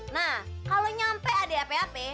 nah kalau nyampe ada api apa